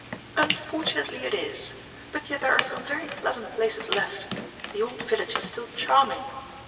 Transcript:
"Unfortunately it is; but yet there are some very pleasant places left. The old village is still charming.